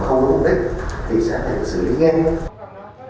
không có mục đích thì sẽ hãy xử lý nhanh hơn